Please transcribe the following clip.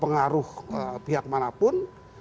pengaruh pihak manapun